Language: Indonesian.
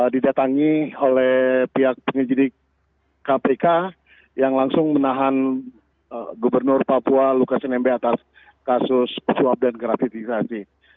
didatangi oleh pihak penyelidik kpk yang langsung menahan gubernur papua lukas nmb atas kasus suap dan gratifikasi